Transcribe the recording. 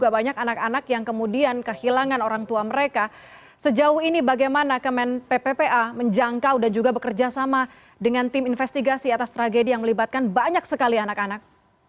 bagaimana kemen pppa menjangkau dan juga bekerja sama dengan tim investigasi atas tragedi yang melibatkan banyak sekali anak anak